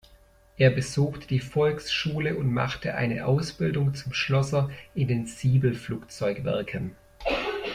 Er besuchte die Volksschule und machte eine Ausbildung zum Schlosser in den Siebel Flugzeugwerken.